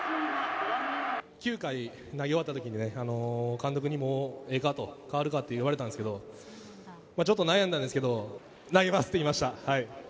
９回投げ終わったとき、監督にも、ええかと、代わるかと言われたんですけど、ちょっと悩んだんですけど、投げますと言いました。